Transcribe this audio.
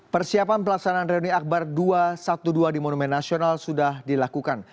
persiapan pelaksanaan reuni akbar dua ratus dua belas di monumen nasional sudah dilakukan